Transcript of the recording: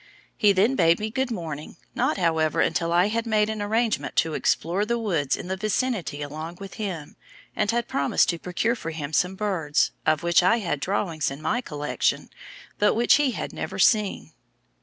He then bade me good morning, not, however, until I had made an arrangement to explore the woods in the vicinity along with him, and had promised to procure for him some birds, of which I had drawings in my collection, but which he had never seen.